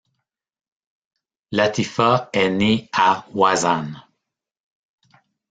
Latifa est née à Ouazzane.